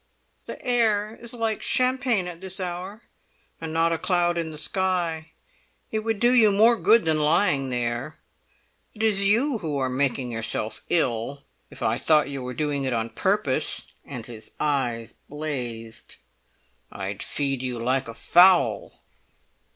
"The air is like champagne at this hour, and not a cloud in the sky! It would do you more good than lying there. It is you who are making yourself ill. If I thought you were doing it on purpose "—and his eyes blazed—"I'd feed you like a fowl!"